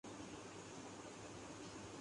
ان میں بوریت سے بڑا روگ کوئی نہیں۔